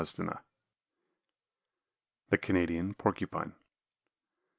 _ THE CANADIAN PORCUPINE.